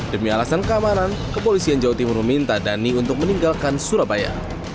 demi alasan keamanan kepolisian jawa timur meminta dhani untuk meninggalkan surabaya